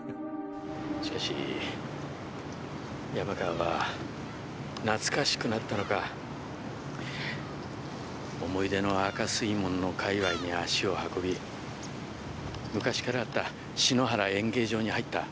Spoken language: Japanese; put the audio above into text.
しかし山川は懐かしくなったのか思い出の赤水門の界隈に足を運び昔からあった篠原演芸場に入った。